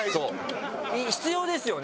必要ですよね。